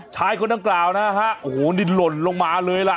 คนดังกล่าวนะฮะโอ้โหนี่หล่นลงมาเลยล่ะ